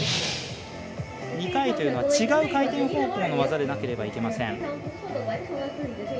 ２回というのは違う回転方向の技でなければいけません。